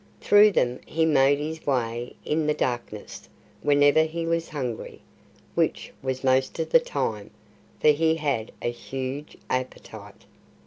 Through them he made his way in the darkness, whenever he was hungry (which was most of the time, for he had a huge appetite!).